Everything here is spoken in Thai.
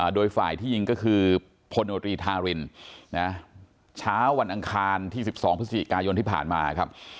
โดยฝ่ายที่ยิงก็คือพลโนตรีทารินเช้าวันอังคารที่๑๒พฤศจิกายนที่ผ่านมาครับ